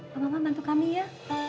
pak maman bantu kami ya